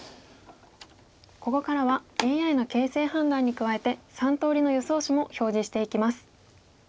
ここからはＡＩの形勢判断に加えて３通りの予想手も表示していきます。